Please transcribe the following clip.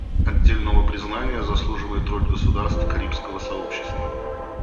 Отдельного признания заслуживает роль государств Карибского сообщества.